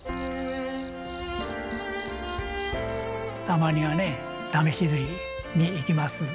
たまにはね試し釣りに行きます